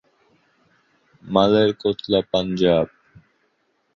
Malerkotla Punjab.